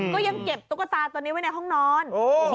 ก็ยังเก็บตุ๊กตาตัวนี้ไว้ในห้องนอน